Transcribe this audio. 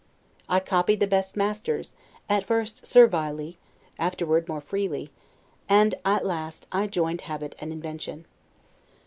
I copied the best masters, at first servilely, afterward more freely, and at last I joined habit and invention.